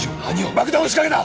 爆弾を仕掛けた！